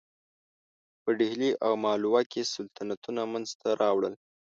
په ډهلي او مالوه کې سلطنتونه منځته راوړل.